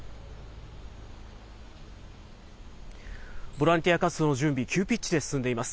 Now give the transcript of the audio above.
ボランティア活動の準備、急ピッチで進んでいます。